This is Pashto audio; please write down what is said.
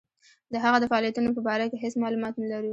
د هغه د فعالیتونو په باره کې هیڅ معلومات نه لرو.